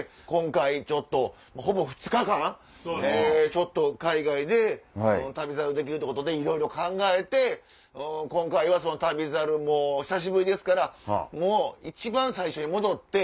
ちょっと海外で『旅猿』できるってことでいろいろ考えて今回は『旅猿』も久しぶりですからもう一番最初に戻って。